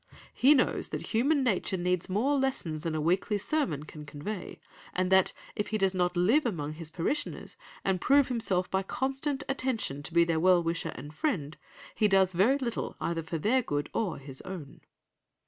He knows that human nature needs more lessons than a weekly sermon can convey; and that if he does not live among his parishioners, and prove himself by constant attention to be their well wisher and friend, he does very little either for their good or his own.